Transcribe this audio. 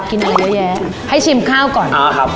กินอะไรเยอะแยะให้ชิมข้าวก่อน